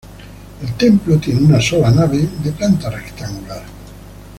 El templo tiene una sola nave, de planta rectangular.